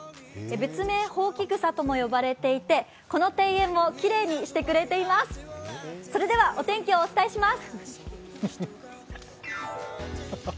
別名ほうき草といわれていて、この庭園もきれいにしてくれています。